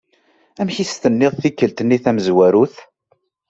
Amek i s-tenniḍ tikkelt-nni tamezwarut?